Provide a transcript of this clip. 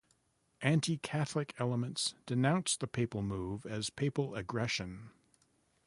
Anti-Catholic elements denounced the Papal move as papal aggression.